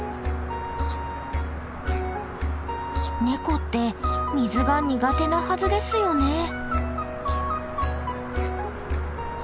ネコって水が苦手なはずですよね。